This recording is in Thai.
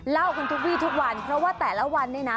เล่ากันทุกวีทุกวันเพราะว่าแต่ละวันเนี่ยนะ